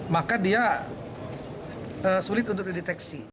maka dia sulit untuk dideteksi